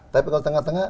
tapi kalau tengah tengah